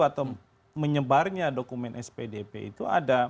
atau menyebarnya dokumen spdp itu ada